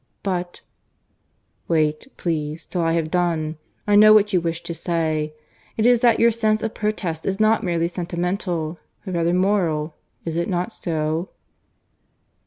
"But " "Wait, please, till I have done. I know what you wish to say. It is that your sense of protest is not merely sentimental, but rather moral; is it not so?"